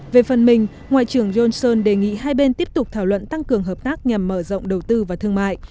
về phần mình ngoại trưởng johnson đề nghị hai bên tiếp tục thảo luận tăng cường hợp tác nhằm mở rộng đầu tư và thương mại